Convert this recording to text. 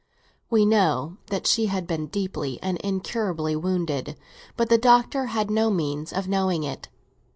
We know that she had been deeply and incurably wounded, but the Doctor had no means of knowing it.